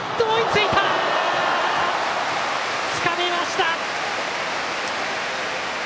つかみました。